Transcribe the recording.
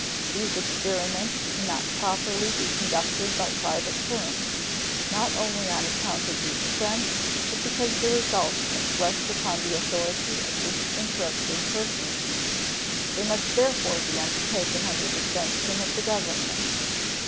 These experiments can not properly be conducted by private firms, not only on account of the expense, but because the results must rest upon the authority of disinterested persons. They must therefore be undertaken under the sanction of the Government.